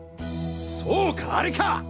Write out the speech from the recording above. そうかあれか！